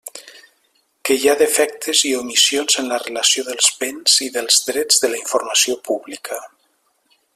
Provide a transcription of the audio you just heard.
Que hi ha defectes i omissions en la relació dels béns i dels drets de la informació pública.